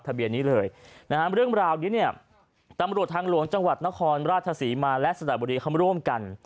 ทะเบียนนี้เลยนะฮะเรื่องราวนี้เนี่ยตำรวจทางหลวงจังหวัดนครราชศรีมาและสระบุรีเขามาร่วมกัน